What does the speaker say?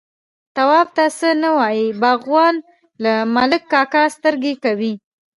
_تواب ته څه نه وايي، باغوان، له ملک کاکا سترګه کوي.